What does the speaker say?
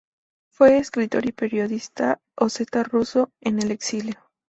Fue un escritor y periodista oseta-ruso en el exilio.